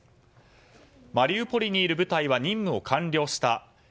マリウポリにいる部隊は任務を完了した。